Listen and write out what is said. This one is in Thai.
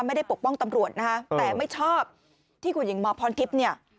ไม่ได้ปกป้องตำรวจนะฮะแต่ไม่ชอบที่คุณหญิงมพรทริพย์นี่